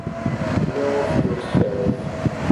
Love Yourself